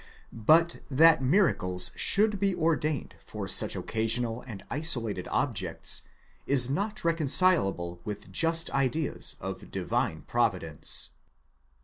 But that miracles should be ordained for such occasional and isolated objects, is not reconcileable with just ideas of divine providence.